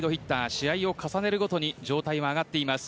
試合を重ねるごとに状態が上がっています。